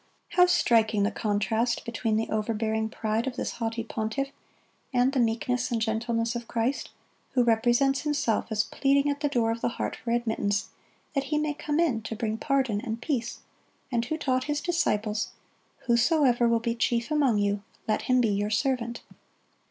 How striking the contrast between the overbearing pride of this haughty pontiff and the meekness and gentleness of Christ, who represents Himself as pleading at the door of the heart for admittance, that He may come in to bring pardon and peace, and who taught His disciples, "Whosoever will be chief among you, let him be your servant."